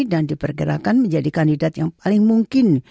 dan dipergerakan menjadi kandidat yang paling mungkin